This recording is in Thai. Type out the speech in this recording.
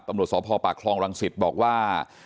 ตำรวจสพปกครองลังศึษฐ์บอกว่า